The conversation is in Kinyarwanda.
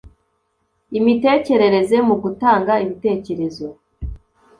imitekerereze, mu gutanga ibitekerezo